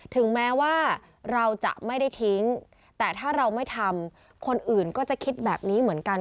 ถึงแม้ว่าเราจะไม่ได้ทิ้งแต่ถ้าเราไม่ทำคนอื่นก็จะคิดแบบนี้เหมือนกัน